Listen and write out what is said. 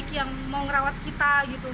ada yang mau merawat kita